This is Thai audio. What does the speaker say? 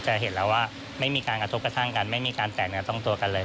จะเห็นแล้วว่าไม่มีการกระทบกระทั่งกันไม่มีการแตกเนื้อต้องตัวกันเลย